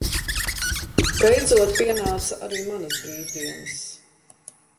Beidzot pienāca arī manas brīvdienas.